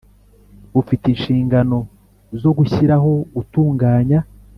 bufite inshingano zo gushyiraho gutunganya